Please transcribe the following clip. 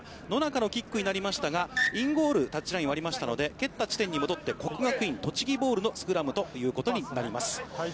野中のキックになりましたがインゴール、タッチラインを割りましたので、蹴った地点に戻って国学院栃木ボールのスクラムということになります。